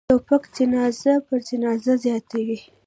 توپک جنازه پر جنازه زیاتوي.